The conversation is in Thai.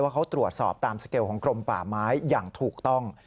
เขาตรวจสอบตามสเกลของกรมป่าไม้อย่างถูกต้อง